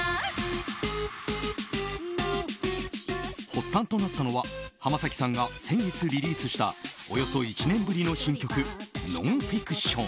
発端となったのは浜崎さんが先月リリースしたおよそ１年ぶりの新曲「Ｎｏｎｆｉｃｔｉｏｎ」。